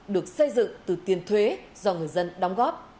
được xây dựng từ tiền thuế do người dân đóng góp